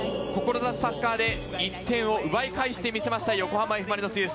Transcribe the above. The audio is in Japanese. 志すサッカーで１点を奪い返してみせました、横浜Ｆ・マリノスユース。